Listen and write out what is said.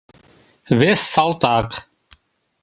Вес салтак.